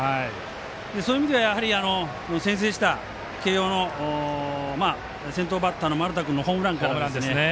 そういう意味ではやはり先制した慶応の先頭バッターの丸田君のホームランですね。